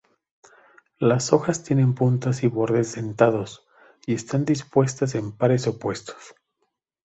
Las hojas tienen puntas y bordes dentados, y están dispuestas en pares opuestos.